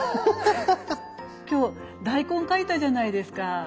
今日大根描いたじゃないですか。